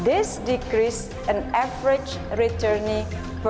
ini mengurangkan penerbangan rata per minggu